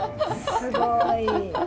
すごい。